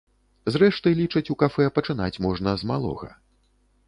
Зрэшты, лічаць у кафэ, пачынаць можна з малога.